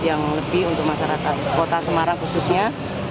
yang lebih untuk masyarakat kota semarang khususnya